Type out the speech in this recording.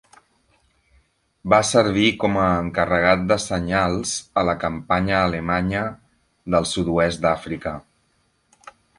Va servir com a encarregat de senyals a la campanya alemanya del sud-oest d'Àfrica.